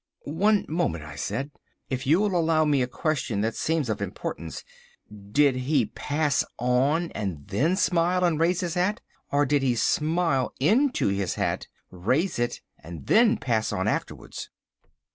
"One moment," I said, "if you will allow me a question that seems of importance—did he pass on and then smile and raise his hat, or did he smile into his hat, raise it, and then pass on afterwards?"